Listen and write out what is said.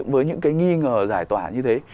với những cái nghi ngờ giải tỏa như thế